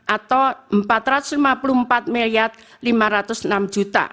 atau rp empat ratus lima puluh empat lima ratus enam